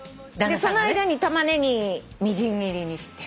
その間にタマネギみじん切りにして。